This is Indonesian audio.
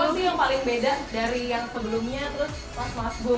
apa sih yang paling beda dari yang sebelumnya terus mas mbak